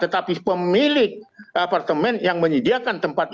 tetapi pemilik apartemen yang menyediakan tempat untuk berjaga jaga